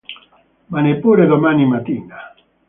Ma neppure domani mattina!